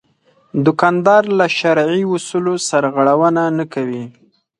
دوکاندار له شرعي اصولو سرغړونه نه کوي.